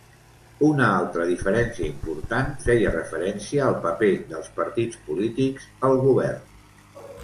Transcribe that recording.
Una altra diferència important feia referència al paper dels partits polítics al govern.